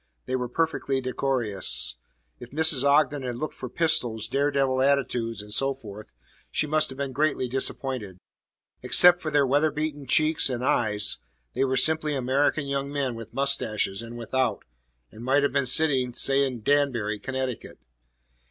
They were perfectly decorous. If Mrs. Ogden had looked for pistols, dare devil attitudes, and so forth, she must have been greatly disappointed. Except for their weather beaten cheeks and eyes, they were simply American young men with mustaches and without, and might have been sitting, say, in Danbury, Connecticut.